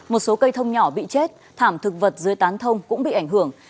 một số cây thông nhỏ bị chết thảm thực vật dưới tán thông cũng bị ảnh hưởng